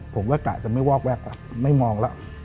ผมก็กล่าวจะไม่วอกแวกไม่มองแล้ว